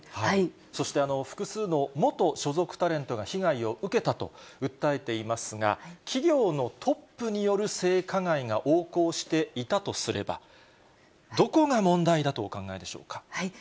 そして、複数の元所属タレントが被害を受けたと訴えていますが、企業のトップによる性加害が横行していたとすれば、どこが問題だとお考えでしょうか。